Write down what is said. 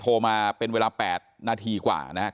โทรมาเป็นเวลา๘นาทีกว่านะครับ